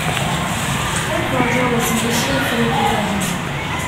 "Cape Roger" was initially fitted with a hangar.